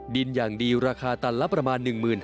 ดินอย่างดีราคาตันละประมาณ๑๕๐๐